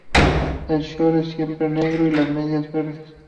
El short es siempre negro y las medias verdes.